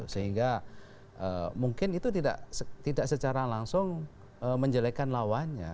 sehingga mungkin itu tidak secara langsung menjelekan lawannya